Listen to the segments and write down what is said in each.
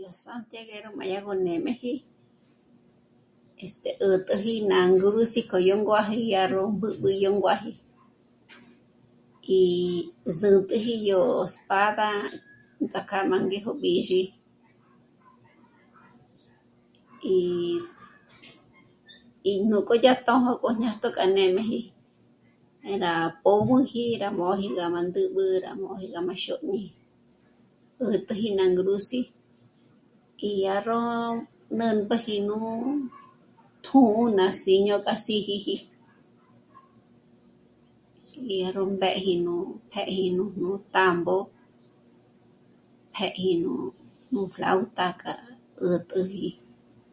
Yó Santiaguero m'á dyá gó nê'meji este... 'ä̀t'äji ná ngûs'i k'o yó nguáji dyá ró mbǜbü yó nguáji y sḗtäji yó espada ts'ák'a m'á mbéjo bízhi. Y... nújku dyájtjo gó náxtjo k'a nê'meji 'é rá pö́b'üji rá móji ngá m'á ndǜb'ü rá móji gá má xoñí', 'ä̀t'äji ná ngrús'i y dyàrró nä́mp'eji nú tjō̌'ō ná síño k'a sísíji, dyárró mbéji, nú pjéji nú támbo, pjéji nú flauta k'a 'ä̀t'äji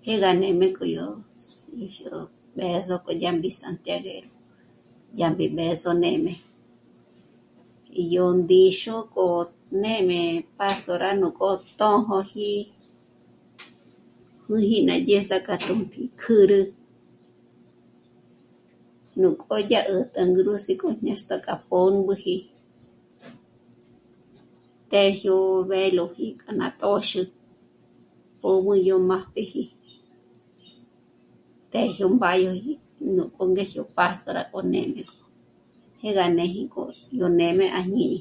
jé gá nê'me k'o yó sí yó bë̌zo k'o dyàmbi Santiaguero, dyàmbi bë̌zo nê'me, yó ndíxu k'o n'êm'e Pastora nú k'o tjôjoji mä́ji nà dyès'a kja tjū́tji kjä́rä nú k'ódya 'ä̀t'ä ná ngrús'i k'a ñéxtjo k'a pö́mbüji téjyo veloji k'aná tóxü pö́b'ü yó mápjeji téjyo mbàdyo nú k'o ngejyo pastora k'o nê'me k'o, jé gá nêji k'o yó nê'me à jñíni